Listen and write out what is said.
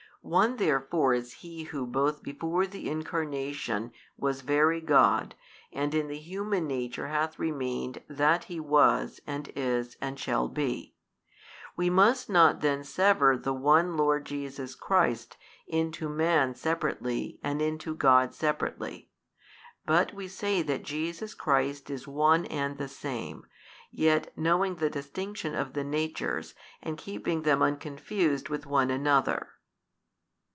One therefore is He Who both before the Incarnation was Very God and in the human nature hath remained That He was and is and shall be. We must not then sever the One Lord Jesus Christ into Man separately and into God separately, but we say that Jesus Christ is One and the Same, yet knowing the distinction of the Natures and keeping them unconfused with one another.